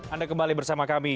anda kembali bersama kami